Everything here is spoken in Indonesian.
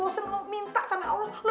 ah ambition nya ada